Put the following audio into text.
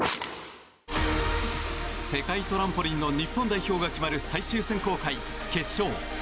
世界トランポリンの日本代表が決まる最終選考会決勝。